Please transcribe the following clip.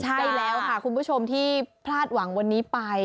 ใช่แล้วค่ะคุณผู้ชมที่พลาดหวังวันนี้ไป